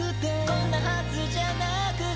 「こんなはずじゃなくて」